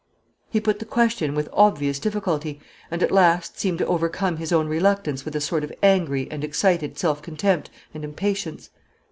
He put the question with obvious difficulty, and at last seemed to overcome his own reluctance with a sort of angry and excited self contempt and impatience.